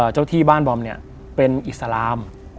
เจ้าที่บ้านบอมเนี่ยเป็นอิสลาม